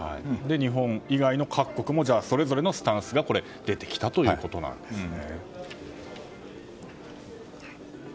日本以外の各国もそれぞれのスタンスが出てきたということなんですね。